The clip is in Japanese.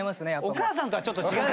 お母さんとはちょっと違う。